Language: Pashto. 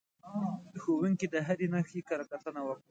ښوونکي د هرې نښې کره کتنه وکړه.